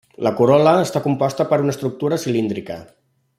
La corol·la està composta per una estructura cilíndrica.